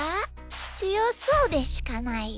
つよそうでしかないよ。